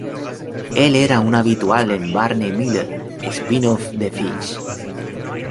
Él era un habitual en "Barney Miller" spinoff de "Fish".